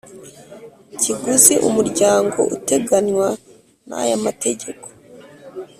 Kiguzi umuryango uteganywa n aya mategeko